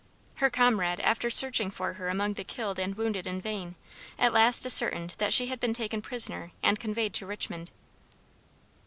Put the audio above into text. Her comrade, after searching for her among the killed and wounded in vain, at last ascertained that she had been taken prisoner and conveyed to Richmond.